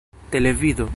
televido